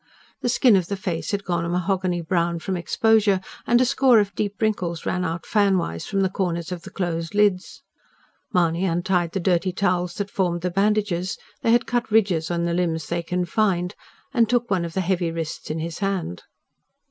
The skin of the face had gone a mahogany brown from exposure, and a score of deep wrinkles ran out fan wise from the corners of the closed lids. Mahony untied the dirty towels that formed the bandages they had cut ridges in the limbs they confined and took one of the heavy wrists in his hand.